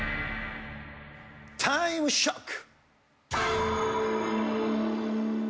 タイムショック！